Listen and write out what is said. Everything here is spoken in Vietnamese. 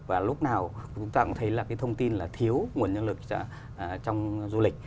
và lúc nào chúng ta cũng thấy là cái thông tin là thiếu nguồn nhân lực trong du lịch